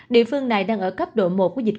địa phương này đang ở cấp độ một của dịch